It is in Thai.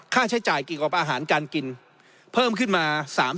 ค่าใช้จ่ายกิกออกอาหารการกินเพิ่มขึ้นมา๓๐๓๕